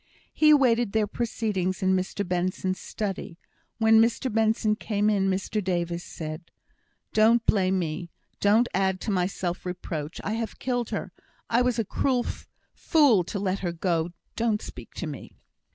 He awaited their proceedings in Mr Benson's study. When Mr Benson came in, Mr Davis said: "Don't blame me. Don't add to my self reproach. I have killed her. I was a cruel fool to let her go. Don't speak to me."